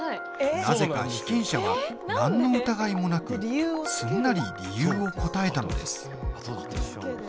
なぜか被験者はなんの疑いもなくすんなり理由を答えたのです。